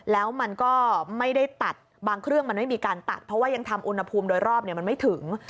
แล้วมันก็ไม่ได้ตัดบางเครื่องมันไม่มีการตัดเพราะว่ายังทำอุณหภูมิโดยรอบมันไม่ถึง